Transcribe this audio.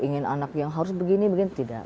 ingin anak yang harus begini begini tidak